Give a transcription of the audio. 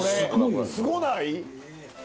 すごない？